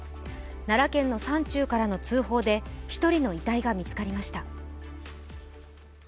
奈良県の山中からの通報で１人の遺体が見つかりました。